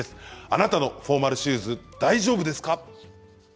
あなたのフォーマルシューズ大丈夫ですか？